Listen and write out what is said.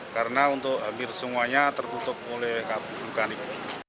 karena untuk hampir semuanya tertutup oleh abu vulkanis